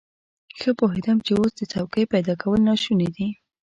ښه پوهېدم چې اوس د څوکۍ پيدا کول ناشوني دي.